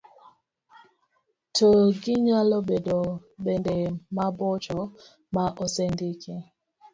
to ginyalo bedo bende mabocho ma osendiki.